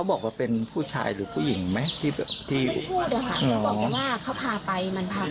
อันนี้